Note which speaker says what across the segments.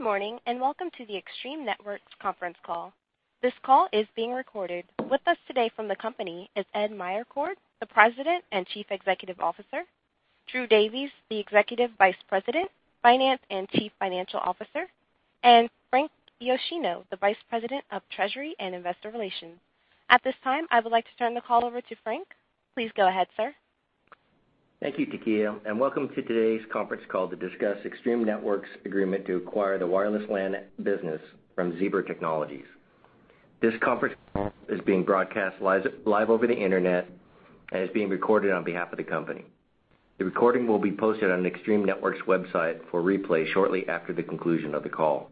Speaker 1: Good morning, welcome to the Extreme Networks conference call. This call is being recorded. With us today from the company is Ed Meyercord, the President and Chief Executive Officer; Drew Davies, the Executive Vice President, Finance and Chief Financial Officer; and Frank Yoshino, the Vice President of Treasury and Investor Relations. At this time, I would like to turn the call over to Frank. Please go ahead, sir.
Speaker 2: Thank you, Takia, welcome to today's conference call to discuss Extreme Networks agreement to acquire the wireless LAN business from Zebra Technologies. This conference call is being broadcast live over the Internet and is being recorded on behalf of the company. The recording will be posted on Extreme Networks website for replay shortly after the conclusion of the call.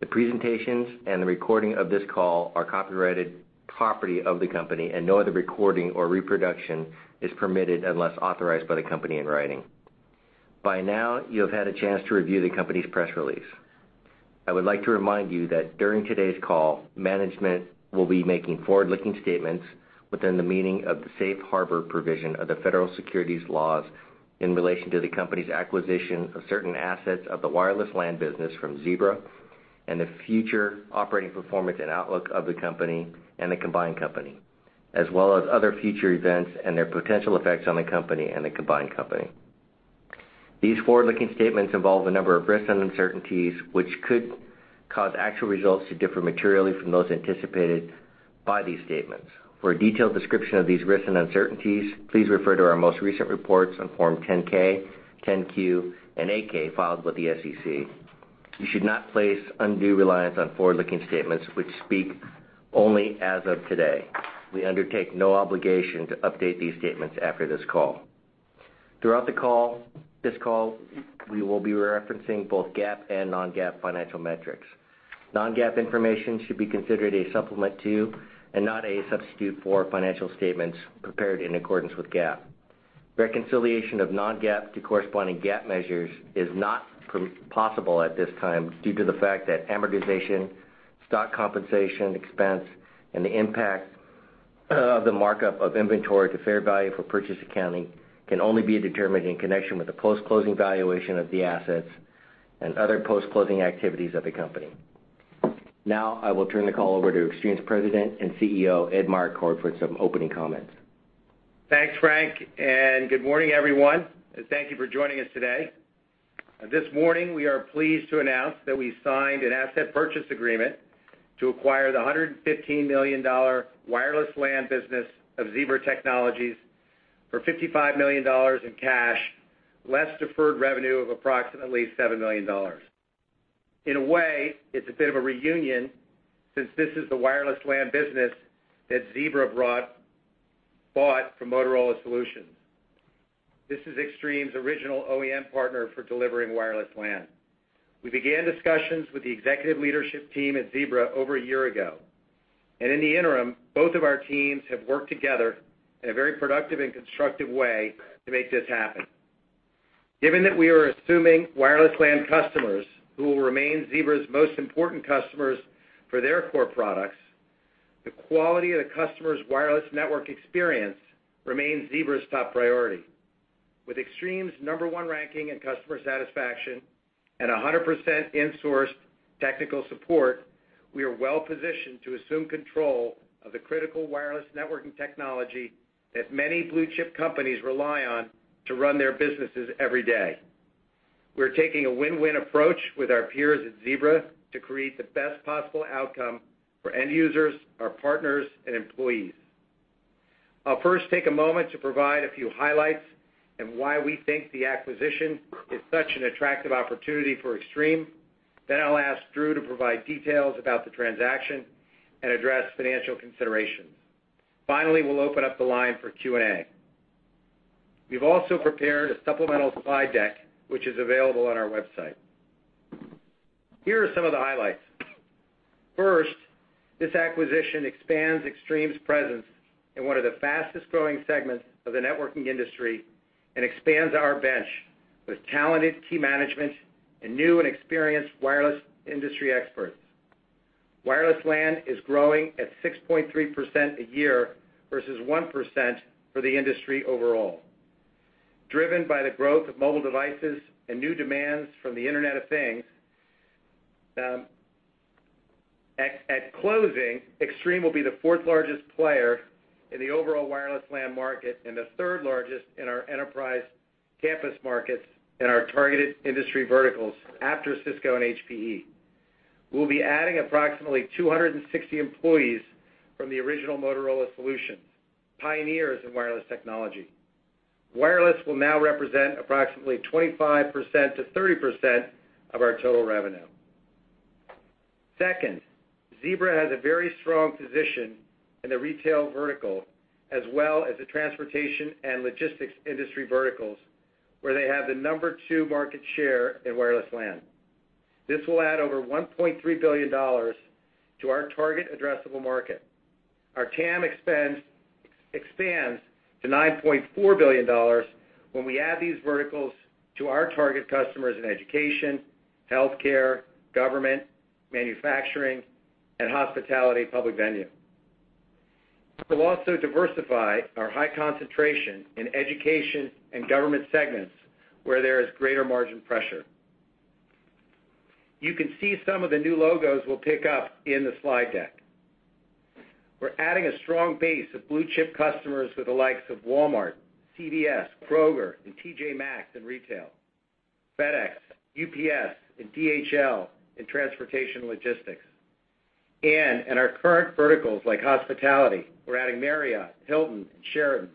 Speaker 2: The presentations and the recording of this call are copyrighted property of the company and no other recording or reproduction is permitted unless authorized by the company in writing. By now, you have had a chance to review the company's press release. I would like to remind you that during today's call, management will be making forward-looking statements within the meaning of the Safe Harbor provision of the Federal Securities Laws in relation to the company's acquisition of certain assets of the wireless LAN business from Zebra and the future operating performance and outlook of the company and the combined company, as well as other future events and their potential effects on the company and the combined company. These forward-looking statements involve a number of risks and uncertainties which could cause actual results to differ materially from those anticipated by these statements. For a detailed description of these risks and uncertainties, please refer to our most recent reports on Form 10-K, 10-Q, and 8-K filed with the SEC. You should not place undue reliance on forward-looking statements which speak only as of today. We undertake no obligation to update these statements after this call. Throughout this call, we will be referencing both GAAP and non-GAAP financial metrics. Non-GAAP information should be considered a supplement to and not a substitute for financial statements prepared in accordance with GAAP. Reconciliation of non-GAAP to corresponding GAAP measures is not possible at this time due to the fact that amortization, stock compensation expense, and the impact of the markup of inventory to fair value for purchase accounting can only be determined in connection with the post-closing valuation of the assets and other post-closing activities of the company. Now, I will turn the call over to Extreme's President and CEO, Ed Meyercord, for some opening comments.
Speaker 3: Thanks, Frank, and good morning, everyone. Thank you for joining us today. This morning, we are pleased to announce that we signed an asset purchase agreement to acquire the $115 million wireless LAN business of Zebra Technologies for $55 million in cash, less deferred revenue of approximately $7 million. In a way, it's a bit of a reunion since this is the wireless LAN business that Zebra bought from Motorola Solutions. This is Extreme's original OEM partner for delivering wireless LAN. We began discussions with the executive leadership team at Zebra over a year ago. In the interim, both of our teams have worked together in a very productive and constructive way to make this happen. Given that we are assuming wireless LAN customers who will remain Zebra's most important customers for their core products, the quality of the customer's wireless network experience remains Zebra's top priority. With Extreme's number one ranking in customer satisfaction and 100% in-source technical support, we are well-positioned to assume control of the critical wireless networking technology that many blue-chip companies rely on to run their businesses every day. We're taking a win-win approach with our peers at Zebra to create the best possible outcome for end users, our partners, and employees. I'll first take a moment to provide a few highlights and why we think the acquisition is such an attractive opportunity for Extreme. I'll ask Drew to provide details about the transaction and address financial considerations. Finally, we'll open up the line for Q&A. We've also prepared a supplemental slide deck, which is available on our website. Here are some of the highlights. First, this acquisition expands Extreme's presence in one of the fastest-growing segments of the networking industry and expands our bench with talented key management and new and experienced wireless industry experts. Wireless LAN is growing at 6.3% a year versus 1% for the industry overall. Driven by the growth of mobile devices and new demands from the Internet of Things, at closing, Extreme will be the fourth-largest player in the overall wireless LAN market and the third-largest in our enterprise campus markets in our targeted industry verticals after Cisco and HPE. We'll be adding approximately 260 employees from the original Motorola Solutions, pioneers in wireless technology. Wireless will now represent approximately 25%-30% of our total revenue. Second, Zebra has a very strong position in the retail vertical, as well as the transportation and logistics industry verticals, where they have the number two market share in wireless LAN. This will add over $1.3 billion to our target addressable market. Our TAM expands to $9.4 billion when we add these verticals to our target customers in education, healthcare, government, manufacturing, and hospitality public venue. We'll also diversify our high concentration in education and government segments, where there is greater margin pressure. You can see some of the new logos we'll pick up in the slide deck. We're adding a strong base of blue-chip customers with the likes of Walmart, CVS, Kroger, and TJ Maxx in retail, FedEx, UPS, and DHL in transportation logistics. In our current verticals like hospitality, we're adding Marriott, Hilton, and Sheraton.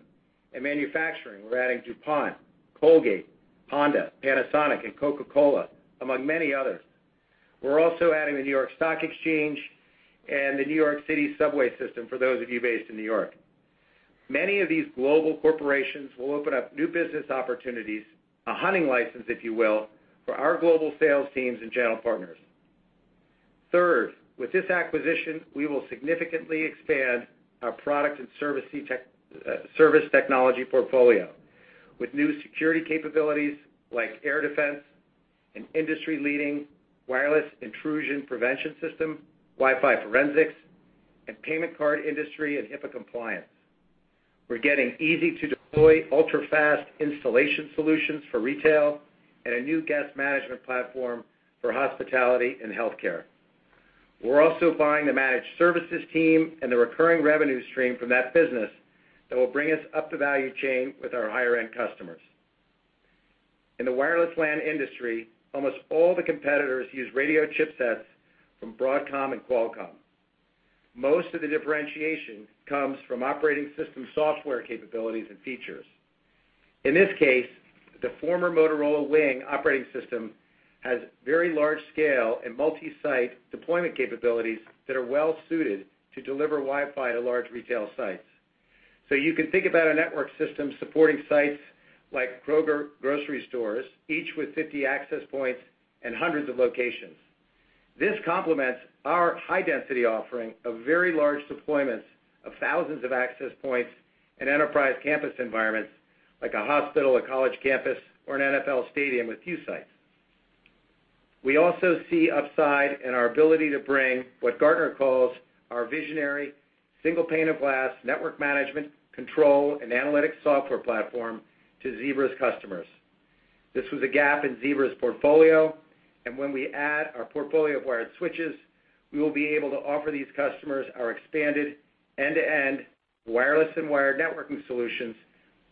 Speaker 3: In manufacturing, we're adding DuPont, Colgate, Honda, Panasonic, and Coca-Cola, among many others. We're also adding the New York Stock Exchange and the New York City subway system, for those of you based in New York. Many of these global corporations will open up new business opportunities, a hunting license, if you will, for our global sales teams and channel partners. Third, with this acquisition, we will significantly expand our product and service technology portfolio with new security capabilities like AirDefense and industry-leading wireless intrusion prevention system, Wi-Fi forensics, and payment card industry and HIPAA compliance. We're getting easy-to-deploy, ultra-fast installation solutions for retail and a new guest management platform for hospitality and healthcare. We're also buying the managed services team and the recurring revenue stream from that business that will bring us up the value chain with our higher-end customers. In the wireless LAN industry, almost all the competitors use radio chipsets from Broadcom and Qualcomm. Most of the differentiation comes from operating system software capabilities and features. In this case, the former Motorola WiNG operating system has very large scale and multi-site deployment capabilities that are well-suited to deliver Wi-Fi to large retail sites. You can think about a network system supporting sites like Kroger grocery stores, each with 50 access points and hundreds of locations. This complements our high-density offering of very large deployments of thousands of access points in enterprise campus environments like a hospital, a college campus, or an NFL stadium with few sites. We also see upside in our ability to bring what Gartner calls our visionary single pane of glass network management control and analytics software platform to Zebra's customers. This was a gap in Zebra's portfolio, and when we add our portfolio of wired switches, we will be able to offer these customers our expanded end-to-end wireless and wired networking solutions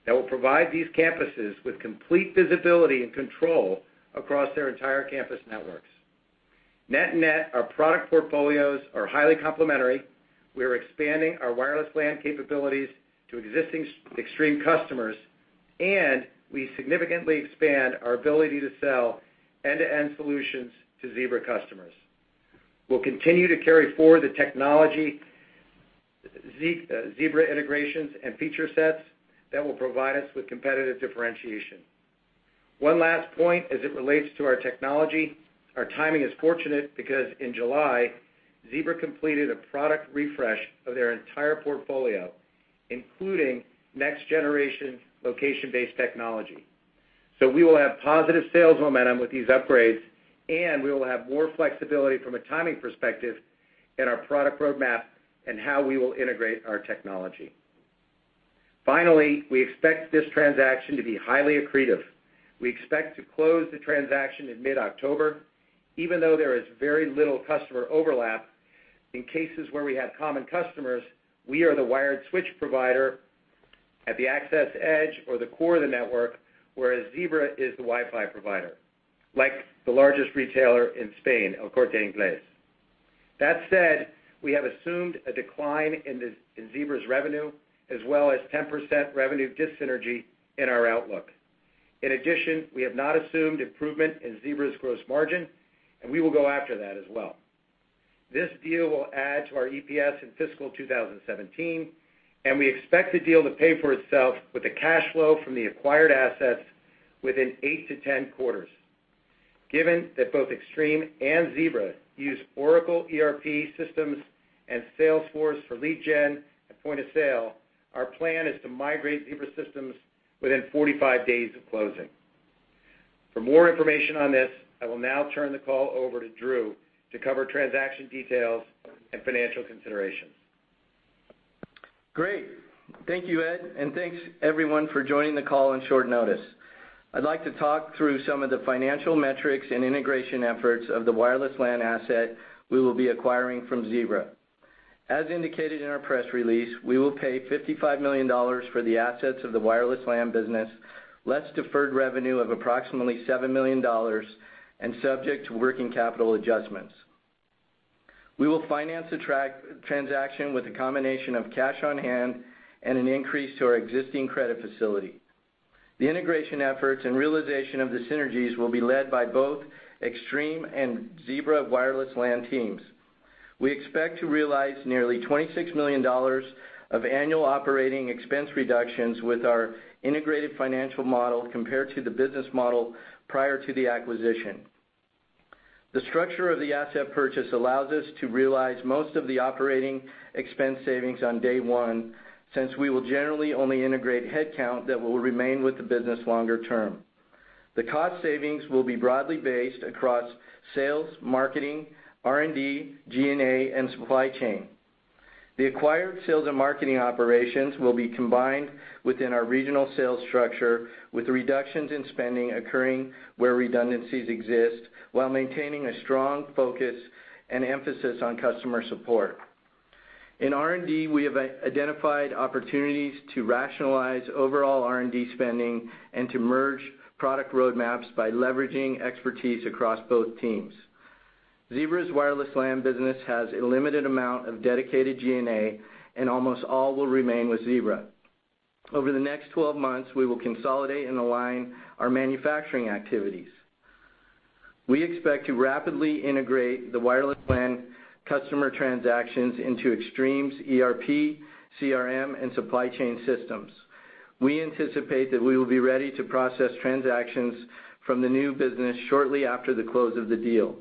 Speaker 3: that will provide these campuses with complete visibility and control across their entire campus networks. Net net, our product portfolios are highly complementary. We're expanding our wireless LAN capabilities to existing Extreme customers, and we significantly expand our ability to sell end-to-end solutions to Zebra customers. We'll continue to carry forward the technology, Zebra integrations, and feature sets that will provide us with competitive differentiation. One last point as it relates to our technology, our timing is fortunate because in July, Zebra completed a product refresh of their entire portfolio, including next-generation location-based technology. We will have positive sales momentum with these upgrades, and we will have more flexibility from a timing perspective in our product roadmap and how we will integrate our technology. Finally, we expect this transaction to be highly accretive. We expect to close the transaction in mid-October. Even though there is very little customer overlap, in cases where we have common customers, we are the wired switch provider at the access edge or the core of the network, whereas Zebra is the Wi-Fi provider, like the largest retailer in Spain, El Corte Inglés. That said, we have assumed a decline in Zebra's revenue, as well as 10% revenue dyssynergy in our outlook. In addition, we have not assumed improvement in Zebra's gross margin, and we will go after that as well. This deal will add to our EPS in fiscal 2017. We expect the deal to pay for itself with the cash flow from the acquired assets within 8 to 10 quarters. Given that both Extreme and Zebra use Oracle ERP systems and Salesforce for lead gen and point of sale, our plan is to migrate Zebra systems within 45 days of closing. For more information on this, I will now turn the call over to Drew to cover transaction details and financial considerations.
Speaker 4: Great. Thank you, Ed. Thanks everyone for joining the call on short notice. I'd like to talk through some of the financial metrics and integration efforts of the wireless LAN asset we will be acquiring from Zebra. As indicated in our press release, we will pay $55 million for the assets of the wireless LAN business, less deferred revenue of approximately $7 million and subject to working capital adjustments. We will finance the transaction with a combination of cash on hand and an increase to our existing credit facility. The integration efforts and realization of the synergies will be led by both Extreme and Zebra wireless LAN teams. We expect to realize nearly $26 million of annual operating expense reductions with our integrated financial model compared to the business model prior to the acquisition. The structure of the asset purchase allows us to realize most of the operating expense savings on day one, since we will generally only integrate headcount that will remain with the business longer term. The cost savings will be broadly based across sales, marketing, R&D, G&A, and supply chain. The acquired sales and marketing operations will be combined within our regional sales structure, with reductions in spending occurring where redundancies exist, while maintaining a strong focus and emphasis on customer support. In R&D, we have identified opportunities to rationalize overall R&D spending and to merge product roadmaps by leveraging expertise across both teams. Zebra's wireless LAN business has a limited amount of dedicated G&A, and almost all will remain with Zebra. Over the next 12 months, we will consolidate and align our manufacturing activities. We expect to rapidly integrate the wireless LAN customer transactions into Extreme's ERP, CRM, and supply chain systems. We anticipate that we will be ready to process transactions from the new business shortly after the close of the deal.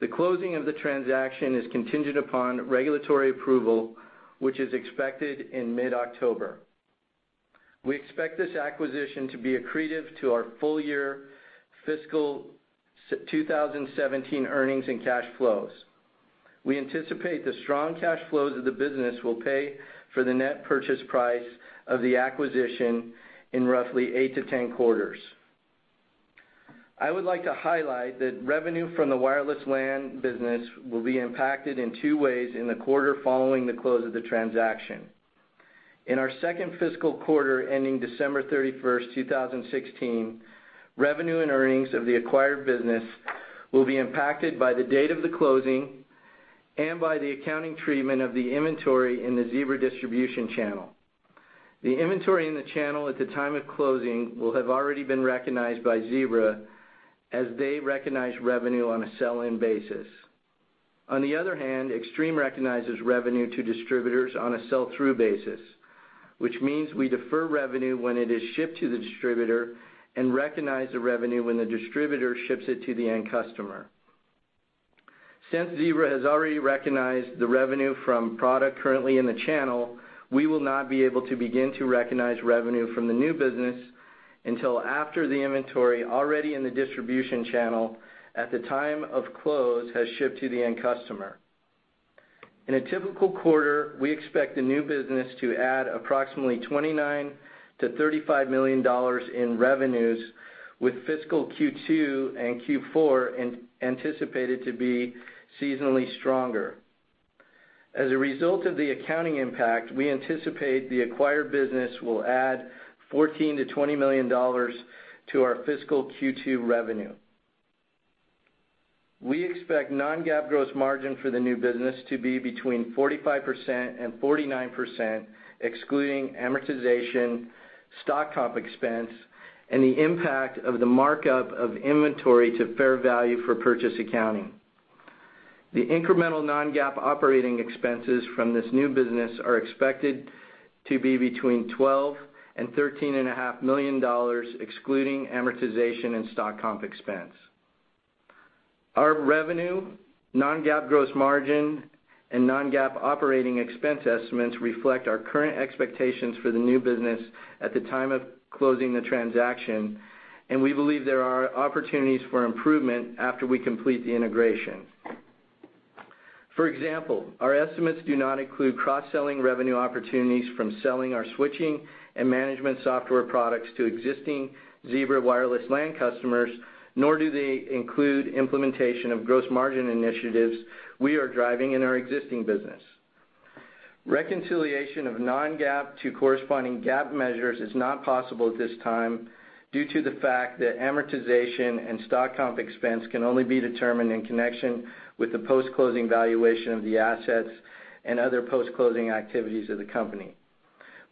Speaker 4: The closing of the transaction is contingent upon regulatory approval, which is expected in mid-October. We expect this acquisition to be accretive to our full year fiscal 2017 earnings and cash flows. We anticipate the strong cash flows of the business will pay for the net purchase price of the acquisition in roughly 8 to 10 quarters. I would like to highlight that revenue from the wireless LAN business will be impacted in two ways in the quarter following the close of the transaction. In our second fiscal quarter ending December 31st, 2016, revenue and earnings of the acquired business will be impacted by the date of the closing and by the accounting treatment of the inventory in the Zebra distribution channel. The inventory in the channel at the time of closing will have already been recognized by Zebra as they recognize revenue on a sell-in basis. On the other hand, Extreme recognizes revenue to distributors on a sell-through basis, which means we defer revenue when it is shipped to the distributor and recognize the revenue when the distributor ships it to the end customer. Since Zebra has already recognized the revenue from product currently in the channel, we will not be able to begin to recognize revenue from the new business until after the inventory already in the distribution channel at the time of close has shipped to the end customer. In a typical quarter, we expect the new business to add approximately $29 million-$35 million in revenues with fiscal Q2 and Q4 anticipated to be seasonally stronger. As a result of the accounting impact, we anticipate the acquired business will add $14 million-$20 million to our fiscal Q2 revenue. We expect non-GAAP gross margin for the new business to be between 45% and 49%, excluding amortization, stock comp expense, and the impact of the markup of inventory to fair value for purchase accounting. The incremental non-GAAP operating expenses from this new business are expected to be between $12 million and $13.5 million, excluding amortization and stock comp expense. Our revenue, non-GAAP gross margin, and non-GAAP operating expense estimates reflect our current expectations for the new business at the time of closing the transaction, and we believe there are opportunities for improvement after we complete the integration. For example, our estimates do not include cross-selling revenue opportunities from selling our switching and management software products to existing Zebra wireless LAN customers, nor do they include implementation of gross margin initiatives we are driving in our existing business. Reconciliation of non-GAAP to corresponding GAAP measures is not possible at this time due to the fact that amortization and stock comp expense can only be determined in connection with the post-closing valuation of the assets and other post-closing activities of the company.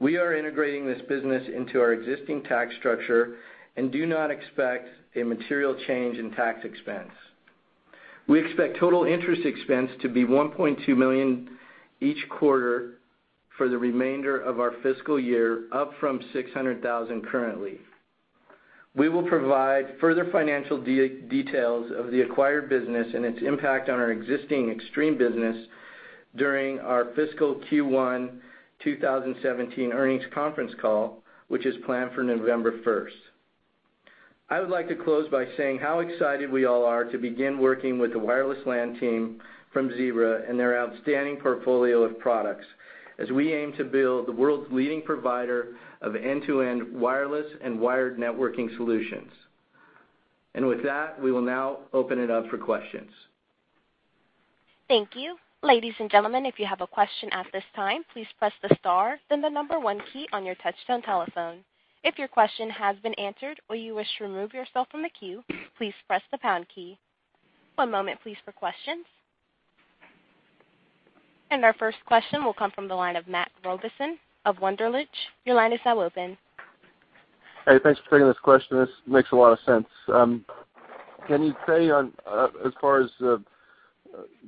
Speaker 4: We are integrating this business into our existing tax structure and do not expect a material change in tax expense. We expect total interest expense to be $1.2 million each quarter for the remainder of our fiscal year, up from $600,000 currently. We will provide further financial details of the acquired business and its impact on our existing Extreme business during our fiscal Q1 2017 earnings conference call, which is planned for November 1st. I would like to close by saying how excited we all are to begin working with the wireless LAN team from Zebra and their outstanding portfolio of products as we aim to build the world's leading provider of end-to-end wireless and wired networking solutions. With that, we will now open it up for questions.
Speaker 1: Thank you. Ladies and gentlemen, if you have a question at this time, please press the star, then the number one key on your touch-tone telephone. If your question has been answered or you wish to remove yourself from the queue, please press the pound key. One moment, please, for questions. Our first question will come from the line of Matt Robison of Wunderlich. Your line is now open.
Speaker 5: Hey, thanks for taking this question. This makes a lot of sense. Can you say on as far as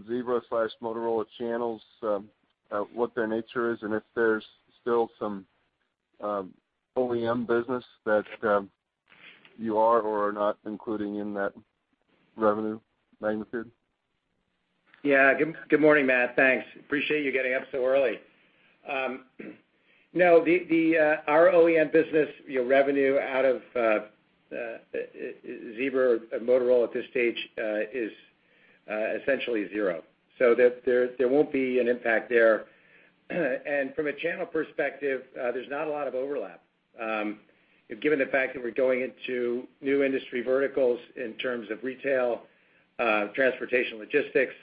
Speaker 5: Zebra/Motorola channels, what their nature is, and if there's still some OEM business that you are or are not including in that revenue magnitude?
Speaker 3: Yeah. Good morning, Matt. Thanks. Appreciate you getting up so early. No, our OEM business revenue out of Zebra or Motorola at this stage is essentially zero. There won't be an impact there. From a channel perspective, there's not a lot of overlap. Given the fact that we're going into new industry verticals in terms of retail, transportation, logistics,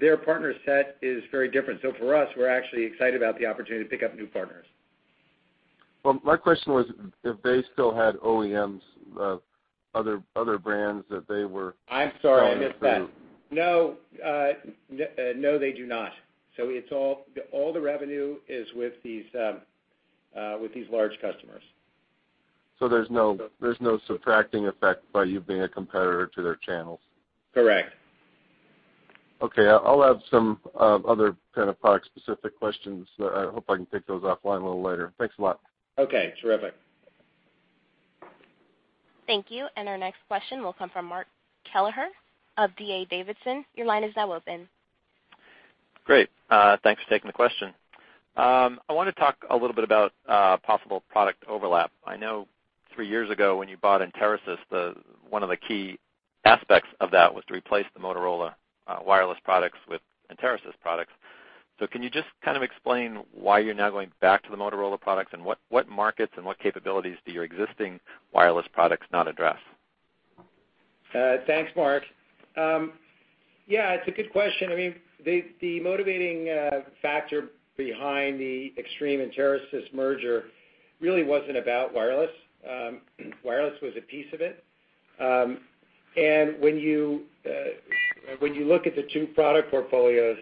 Speaker 3: their partner set is very different. For us, we're actually excited about the opportunity to pick up new partners.
Speaker 5: Well, my question was if they still had OEMs, other brands that they were-
Speaker 3: I'm sorry, I missed that. No, they do not. All the revenue is with these large customers.
Speaker 5: There's no subtracting effect by you being a competitor to their channels?
Speaker 3: Correct.
Speaker 5: Okay, I'll have some other kind of product-specific questions. I hope I can take those offline a little later. Thanks a lot.
Speaker 3: Okay, terrific.
Speaker 1: Thank you. Our next question will come from Mark Kelleher of D.A. Davidson. Your line is now open.
Speaker 6: Great. Thanks for taking the question. I want to talk a little bit about possible product overlap. I know three years ago when you bought Enterasys, one of the key aspects of that was to replace the Motorola wireless products with Enterasys products. Can you just kind of explain why you're now going back to the Motorola products, and what markets and what capabilities do your existing wireless products not address?
Speaker 3: Thanks, Mark. Yeah, it's a good question. The motivating factor behind the Extreme and Enterasys merger really wasn't about wireless. Wireless was a piece of it. When you look at the two product portfolios,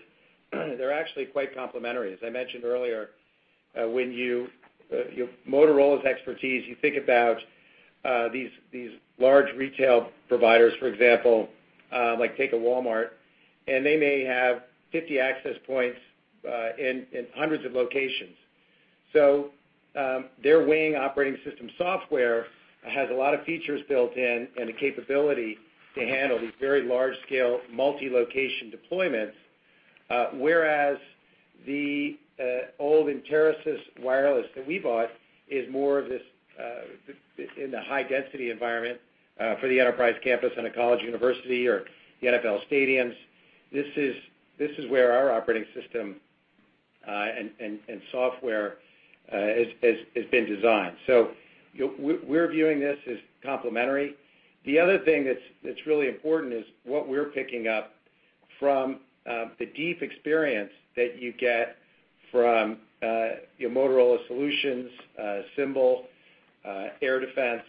Speaker 3: they're actually quite complementary. As I mentioned earlier, Motorola's expertise, you think about these large retail providers, for example, like take a Walmart, and they may have 50 access points in hundreds of locations. Their WiNG operating system software has a lot of features built in and the capability to handle these very large-scale multi-location deployments, whereas the old Enterasys wireless that we bought is more of this in the high-density environment for the enterprise campus in a college university or the NFL stadiums. This is where our operating system and software has been designed. We're viewing this as complementary. The other thing that's really important is what we're picking up from the deep experience that you get from Motorola Solutions, Symbol, AirDefense.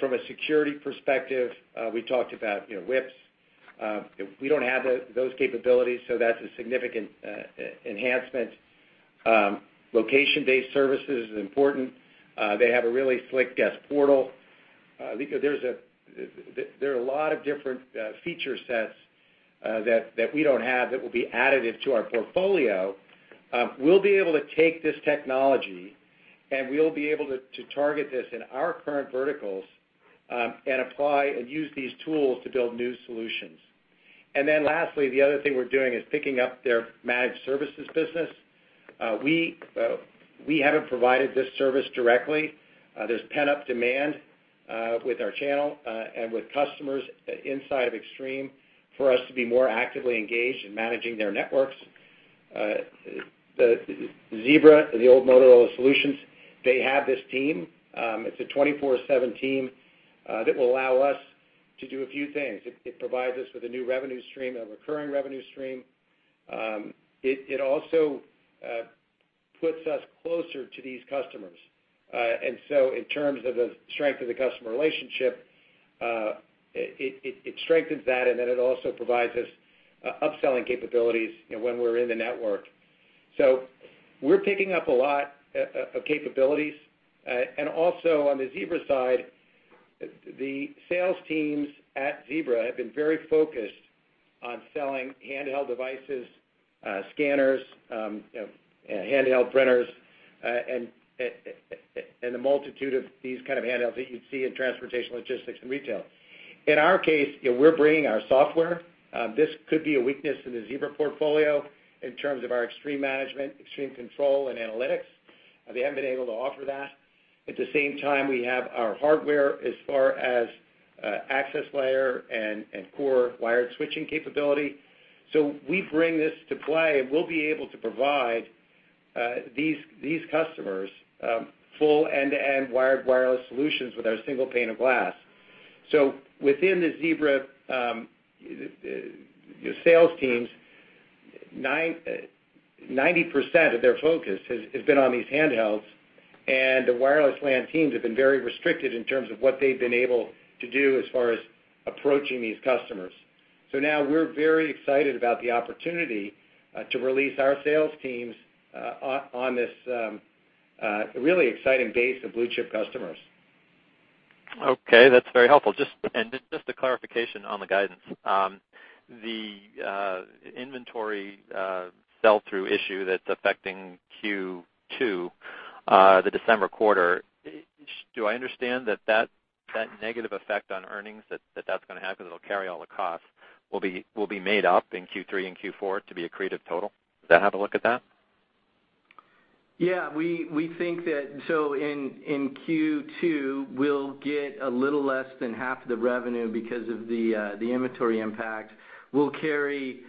Speaker 3: From a security perspective, we talked about WIPS. We don't have those capabilities, so that's a significant enhancement. Location-based services is important. They have a really slick guest portal. There are a lot of different feature sets that we don't have that will be additive to our portfolio. We'll be able to take this technology, and we'll be able to target this in our current verticals and apply and use these tools to build new solutions. Then lastly, the other thing we're doing is picking up their managed services business. We haven't provided this service directly. There's pent-up demand with our channel and with customers inside of Extreme for us to be more actively engaged in managing their networks. Zebra, the old Motorola Solutions, they have this team. It's a 24/7 team that will allow us to do a few things. It provides us with a new revenue stream, a recurring revenue stream. It also puts us closer to these customers. In terms of the strength of the customer relationship, it strengthens that. It also provides us upselling capabilities when we're in the network. We're picking up a lot of capabilities. On the Zebra side, the sales teams at Zebra have been very focused on selling handheld devices, scanners, handheld printers, and the multitude of these kind of handhelds that you'd see in transportation, logistics, and retail. In our case, we're bringing our software. This could be a weakness in the Zebra portfolio in terms of our ExtremeManagement, ExtremeControl, and analytics. They haven't been able to offer that. At the same time, we have our hardware as far as access layer and core wired switching capability. We bring this to play, and we'll be able to provide these customers full end-to-end wired, wireless solutions with our single pane of glass. Within the Zebra sales teams, 90% of their focus has been on these handhelds, and the wireless LAN teams have been very restricted in terms of what they've been able to do as far as approaching these customers. We're very excited about the opportunity to release our sales teams on this really exciting base of blue-chip customers.
Speaker 6: Okay. That's very helpful. Just a clarification on the guidance. The inventory sell-through issue that's affecting Q2, the December quarter- Do I understand that negative effect on earnings that's going to happen, that'll carry all the costs, will be made up in Q3 and Q4 to be accretive total? Is that how to look at that?
Speaker 4: Yeah. In Q2, we'll get a little less than half the revenue because of the inventory impact. If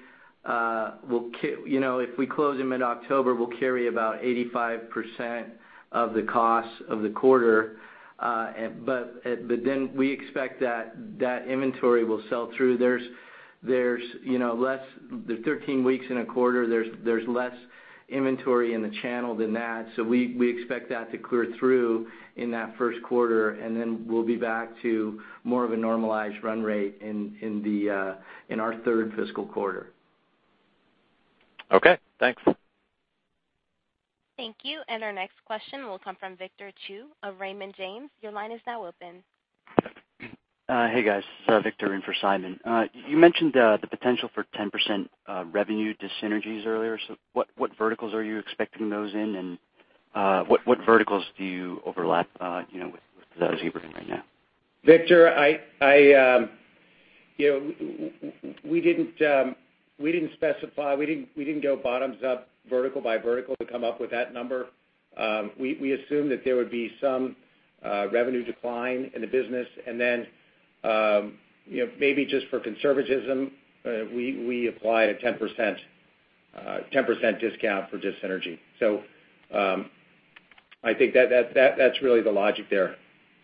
Speaker 4: we close in mid-October, we'll carry about 85% of the costs of the quarter. We expect that inventory will sell-through. There's 13 weeks in a quarter. There's less inventory in the channel than that. We expect that to clear through in that first quarter. We'll be back to more of a normalized run rate in our third fiscal quarter.
Speaker 6: Okay, thanks.
Speaker 1: Thank you. Our next question will come from Victor Chiu of Raymond James. Your line is now open.
Speaker 7: Hey, guys. This is Victor in for Simon. You mentioned the potential for 10% revenue dyssynergies earlier. What verticals are you expecting those in? What verticals do you overlap with those you bring right now?
Speaker 4: Victor, we didn't specify. We didn't go bottoms up vertical by vertical to come up with that number. We assumed that there would be some revenue decline in the business, then maybe just for conservatism, we applied a 10% discount for dyssynergy. I think that's really the logic there.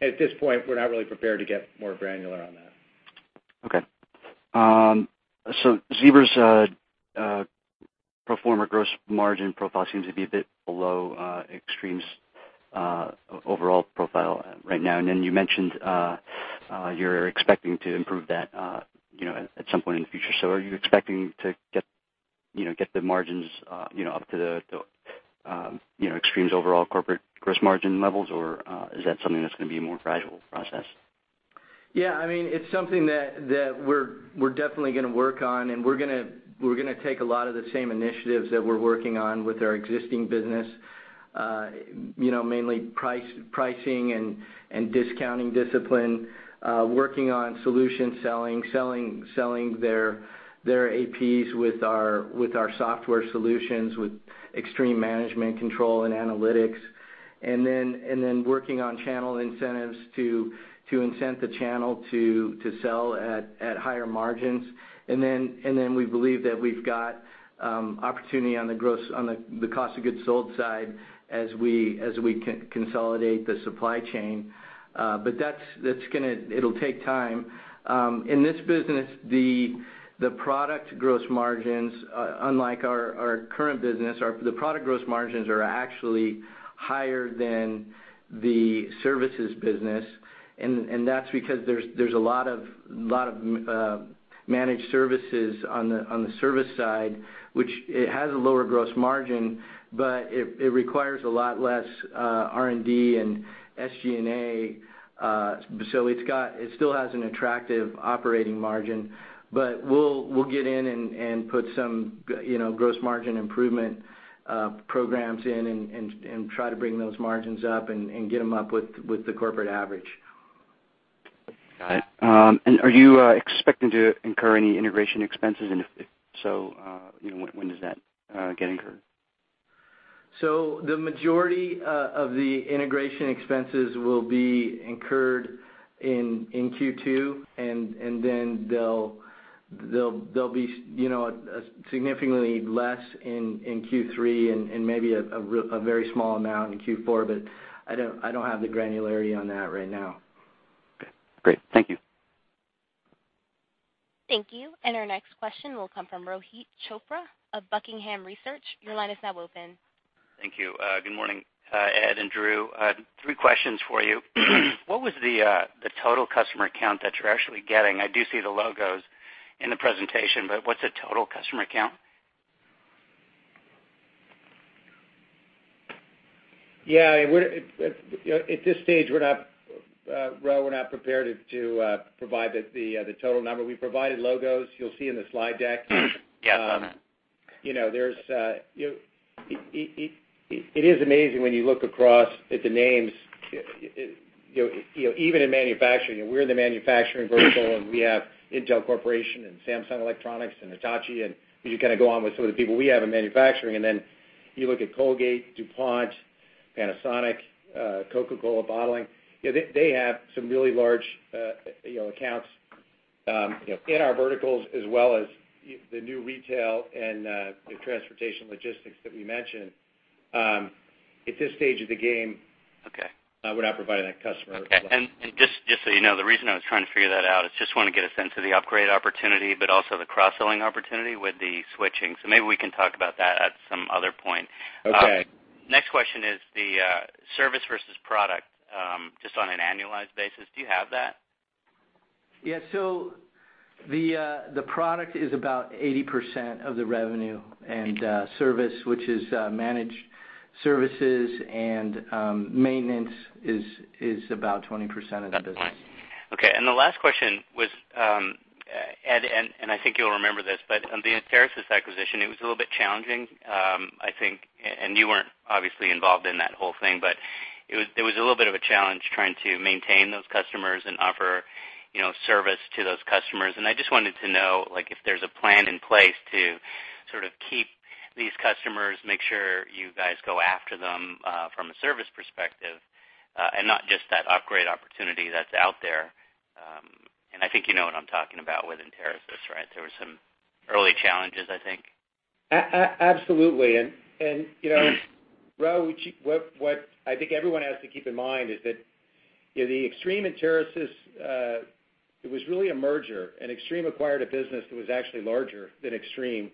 Speaker 4: At this point, we're not really prepared to get more granular on that.
Speaker 7: Okay. Zebra's pro forma gross margin profile seems to be a bit below Extreme's overall profile right now. You mentioned you're expecting to improve that at some point in the future. Are you expecting to get the margins up to the Extreme's overall corporate gross margin levels, or is that something that's going to be a more gradual process?
Speaker 4: Yeah. It's something that we're definitely going to work on, we're going to take a lot of the same initiatives that we're working on with our existing business, mainly pricing and discounting discipline, working on solution selling their APs with our software solutions, with Extreme management control and analytics. Working on channel incentives to incent the channel to sell at higher margins. We believe that we've got opportunity on the cost of goods sold side as we consolidate the supply chain. It'll take time. In this business, the product gross margins, unlike our current business, the product gross margins are actually higher than the services business, and that's because there's a lot of managed services on the service side, which it has a lower gross margin, but it requires a lot less R&D and SG&A. It still has an attractive operating margin. We'll get in and put some gross margin improvement programs in and try to bring those margins up and get them up with the corporate average.
Speaker 7: Got it. Are you expecting to incur any integration expenses? If so, when does that get incurred?
Speaker 4: The majority of the integration expenses will be incurred in Q2, then they'll be significantly less in Q3 and maybe a very small amount in Q4, but I don't have the granularity on that right now.
Speaker 7: Okay, great. Thank you.
Speaker 1: Thank you. Our next question will come from Rohit Chopra of Buckingham Research. Your line is now open.
Speaker 8: Thank you. Good morning, Ed and Drew. Three questions for you. What was the total customer count that you're actually getting? I do see the logos in the presentation, but what's the total customer count?
Speaker 4: Yeah. At this stage, Rohit, we're not prepared to provide the total number. We provided logos. You'll see in the slide deck.
Speaker 8: Yes, I'm in.
Speaker 4: It is amazing when you look across at the names, even in manufacturing, we're the manufacturing vertical, and we have Intel Corporation and Samsung Electronics and Hitachi, and you could go on with some of the people we have in manufacturing. Then you look at Colgate, DuPont, Panasonic, Coca-Cola Bottling, they have some really large accounts in our verticals as well as the new retail and the transportation logistics that we mentioned. At this stage of the game-
Speaker 8: Okay
Speaker 4: we're not providing that customer count.
Speaker 8: Just so you know, the reason I was trying to figure that out is I just want to get a sense of the upgrade opportunity, but also the cross-selling opportunity with the switching. Maybe we can talk about that at some other point.
Speaker 4: Okay.
Speaker 8: Next question is the service versus product, just on an annualized basis. Do you have that?
Speaker 4: Yeah. The product is about 80% of the revenue, and service, which is managed services and maintenance, is about 20% of the business.
Speaker 8: Okay. The last question was- Ed, and I think you'll remember this, but on the Enterasys acquisition, it was a little bit challenging, I think, and you weren't obviously involved in that whole thing, but it was a little bit of a challenge trying to maintain those customers and offer service to those customers. I just wanted to know if there's a plan in place to sort of keep these customers, make sure you guys go after them, from a service perspective, and not just that upgrade opportunity that's out there. I think you know what I'm talking about with Enterasys, right? There were some early challenges, I think.
Speaker 3: Absolutely. Roh, what I think everyone has to keep in mind is that the Extreme Enterasys, it was really a merger. Extreme acquired a business that was actually larger than Extreme.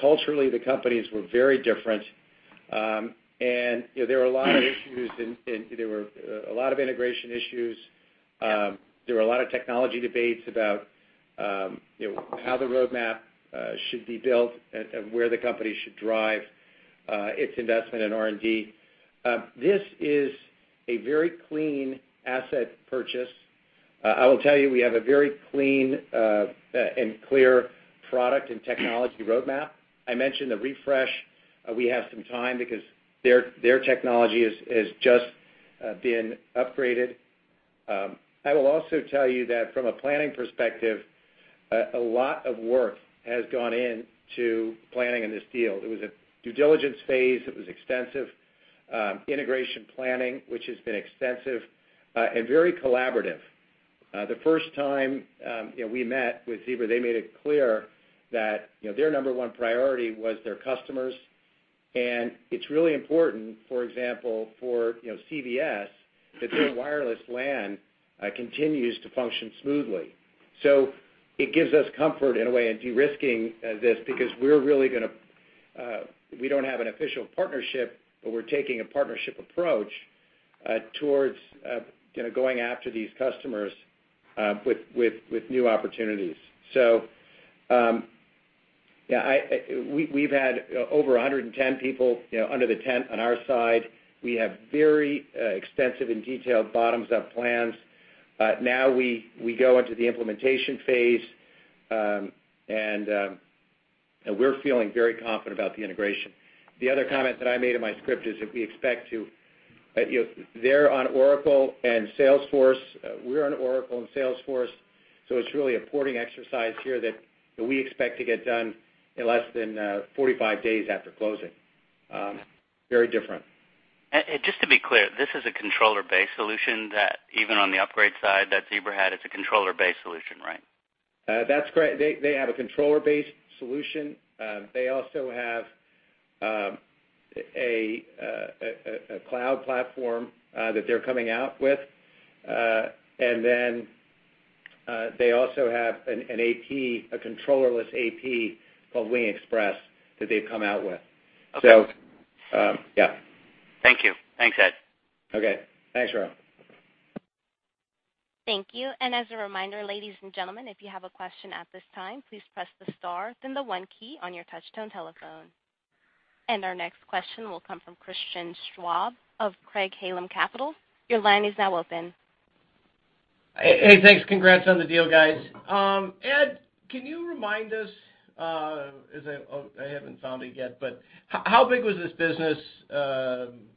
Speaker 3: Culturally, the companies were very different. There were a lot of issues, and there were a lot of integration issues.
Speaker 8: Yep.
Speaker 3: There were a lot of technology debates about how the roadmap should be built and where the company should drive its investment in R&D. This is a very clean asset purchase. I will tell you, we have a very clean and clear product and technology roadmap. I mentioned the refresh. We have some time because their technology has just been upgraded. I will also tell you that from a planning perspective, a lot of work has gone into planning in this deal. It was a due diligence phase that was extensive, integration planning, which has been extensive, and very collaborative. The first time we met with Zebra, they made it clear that their number one priority was their customers. It's really important, for example, for CVS, that their wireless LAN continues to function smoothly. It gives us comfort in a way in de-risking this because we don't have an official partnership, but we're taking a partnership approach towards going after these customers with new opportunities. We've had over 110 people under the tent on our side. We have very extensive and detailed bottoms-up plans. Now we go into the implementation phase, and we're feeling very confident about the integration. The other comment that I made in my script is that they're on Oracle and Salesforce, we're on Oracle and Salesforce, so it's really a porting exercise here that we expect to get done in less than 45 days after closing. Very different.
Speaker 8: Just to be clear, this is a controller-based solution that even on the upgrade side that Zebra had, it's a controller-based solution, right?
Speaker 3: That's correct. They have a controller-based solution. They also have a cloud platform that they're coming out with. Then, they also have a controllerless AP called WiNG Express that they've come out with.
Speaker 8: Okay.
Speaker 3: Yeah.
Speaker 8: Thank you. Thanks, Ed.
Speaker 3: Okay. Thanks, Roh.
Speaker 1: Thank you. As a reminder, ladies and gentlemen, if you have a question at this time, please press the star then the one key on your touch-tone telephone. Our next question will come from Christian Schwab of Craig-Hallum Capital. Your line is now open.
Speaker 9: Hey, thanks. Congrats on the deal, guys. Ed, can you remind us, I haven't found it yet, but how big was this business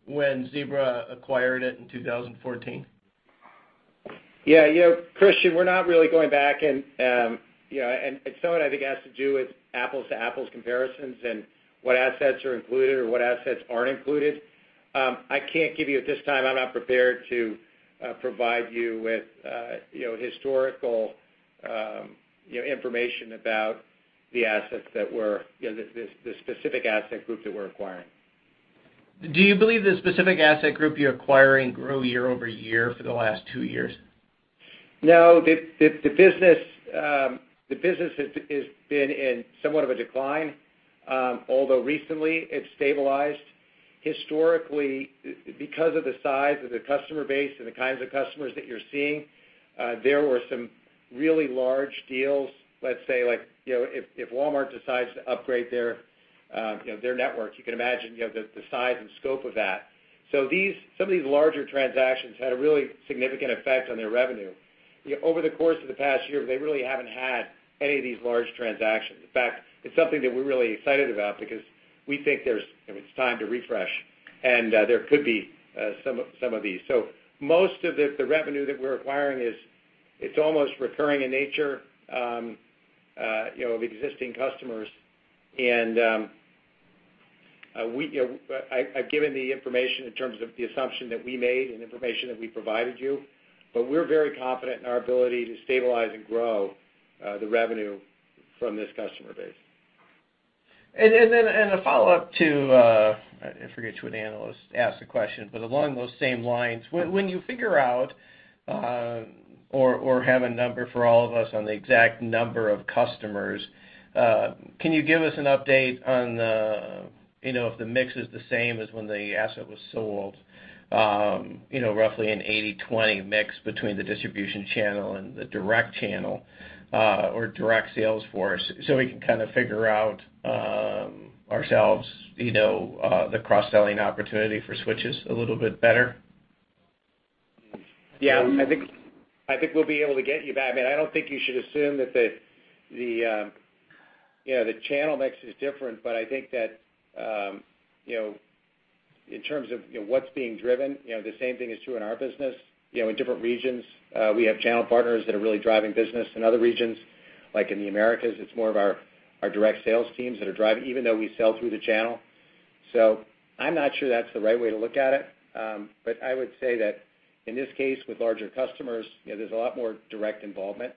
Speaker 9: when Zebra acquired it in 2014?
Speaker 3: Yeah. Christian, we're not really going back and some of it, I think, has to do with apples to apples comparisons and what assets are included or what assets aren't included. I can't give you at this time, I'm not prepared to provide you with historical information about the specific asset group that we're acquiring.
Speaker 9: Do you believe the specific asset group you're acquiring grew year-over-year for the last two years?
Speaker 3: No, the business has been in somewhat of a decline. Although recently, it's stabilized. Historically, because of the size of the customer base and the kinds of customers that you're seeing, there were some really large deals. Let's say, if Walmart decides to upgrade their network, you can imagine the size and scope of that. Some of these larger transactions had a really significant effect on their revenue. Over the course of the past year, they really haven't had any of these large transactions. In fact, it's something that we're really excited about because we think it's time to refresh, and there could be some of these. Most of the revenue that we're acquiring is almost recurring in nature, with existing customers. I've given the information in terms of the assumption that we made and information that we provided you, but we're very confident in our ability to stabilize and grow the revenue from this customer base.
Speaker 9: A follow-up to, I forget which analyst asked the question, but along those same lines. When you figure out or have a number for all of us on the exact number of customers, can you give us an update on if the mix is the same as when the asset was sold, roughly an 80/20 mix between the distribution channel and the direct channel, or direct sales force, so we can kind of figure out ourselves the cross-selling opportunity for switches a little bit better?
Speaker 3: I think we'll be able to get you that. I don't think you should assume that the channel mix is different, but I think that, in terms of what's being driven, the same thing is true in our business. In different regions, we have channel partners that are really driving business. In other regions, like in the Americas, it's more of our direct sales teams that are driving, even though we sell through the channel. I'm not sure that's the right way to look at it. I would say that in this case, with larger customers, there's a lot more direct involvement.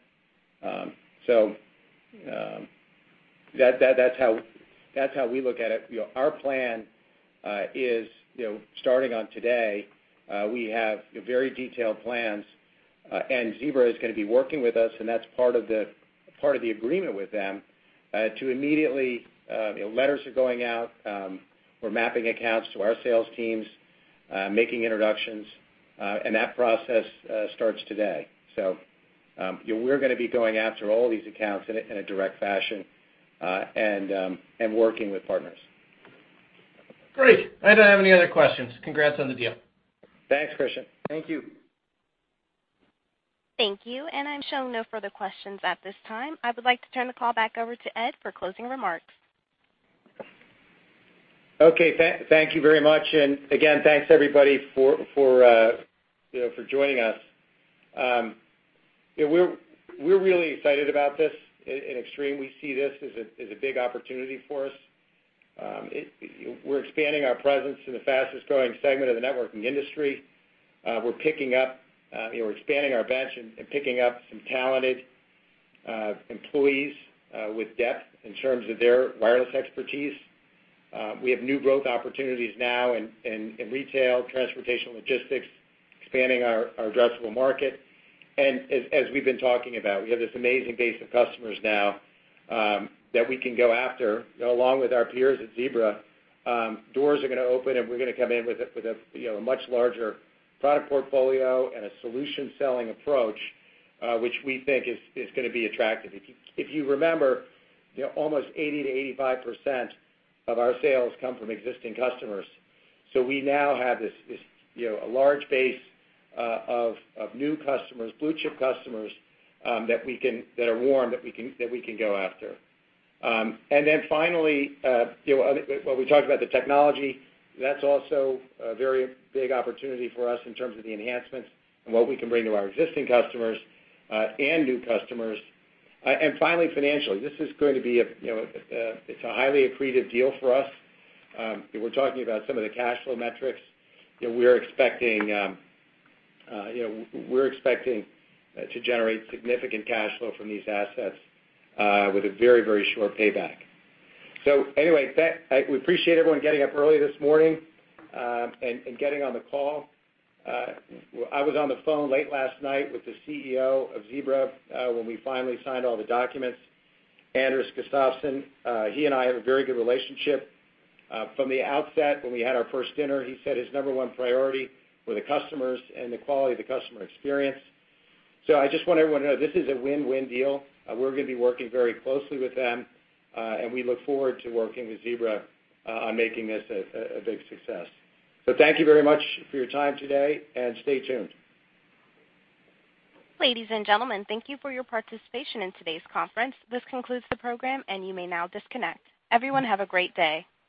Speaker 3: That's how we look at it. Our plan is, starting on today, we have very detailed plans, and Zebra is going to be working with us, and that's part of the agreement with them. Letters are going out. We're mapping accounts to our sales teams, making introductions, and that process starts today. We're going to be going after all these accounts in a direct fashion, and working with partners.
Speaker 9: Great. I don't have any other questions. Congrats on the deal.
Speaker 3: Thanks, Christian. Thank you.
Speaker 1: Thank you. I'm showing no further questions at this time. I would like to turn the call back over to Ed for closing remarks.
Speaker 3: Okay. Thank you very much. Again, thanks everybody for joining us. We're really excited about this in Extreme. We see this as a big opportunity for us. We're expanding our presence in the fastest-growing segment of the networking industry. We're expanding our bench and picking up some talented employees with depth in terms of their wireless expertise. We have new growth opportunities now in retail, transportation, logistics, expanding our addressable market. As we've been talking about, we have this amazing base of customers now, that we can go after, along with our peers at Zebra. Doors are going to open, and we're going to come in with a much larger product portfolio and a solution-selling approach, which we think is going to be attractive. If you remember, almost 80%-85% of our sales come from existing customers. We now have a large base of new customers, blue-chip customers, that are warm, that we can go after. Finally, when we talked about the technology, that's also a very big opportunity for us in terms of the enhancements and what we can bring to our existing customers, and new customers. Finally, financially, this is a highly accretive deal for us. If we're talking about some of the cash flow metrics, we're expecting to generate significant cash flow from these assets, with a very short payback. Anyway, we appreciate everyone getting up early this morning, and getting on the call. I was on the phone late last night with the CEO of Zebra, when we finally signed all the documents, Anders Gustafsson. He and I have a very good relationship. From the outset, when we had our first dinner, he said his number one priority were the customers and the quality of the customer experience. I just want everyone to know this is a win-win deal. We're going to be working very closely with them, and we look forward to working with Zebra, on making this a big success. Thank you very much for your time today, and stay tuned.
Speaker 1: Ladies and gentlemen, thank you for your participation in today's conference. This concludes the program, and you may now disconnect. Everyone, have a great day.